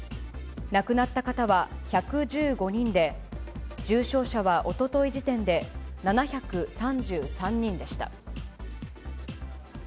亡くなった方は１１５人で、重症者はおととい時点で７３３人でした。